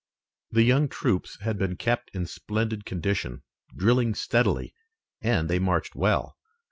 The young troops had been kept in splendid condition, drilling steadily, and they marched well.